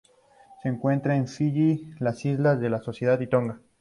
Se encuentra en Fiyi, las Islas de la Sociedad y Tonga.